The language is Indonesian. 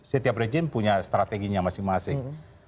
setiap rejim punya strateginya masing masing